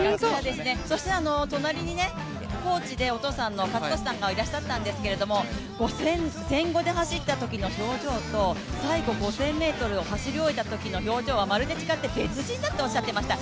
そして、隣にコーチでお父さんの健智さんがいらっしゃったんですが、１５００で走ったときの表情と最後５０００ｍを走り終えたときの表情が、まるで違って別人だとおっしゃっていました。